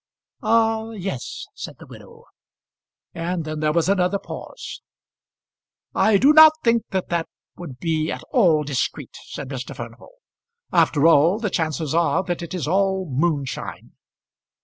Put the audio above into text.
"Ah; yes," said the widow. And then there was another pause. "I do not think that that would be at all discreet," said Mr. Furnival. "After all, the chances are that it is all moonshine."